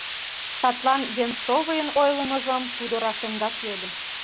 Садлан Венцовын ойлымыжым тудо рашемдаш йодо.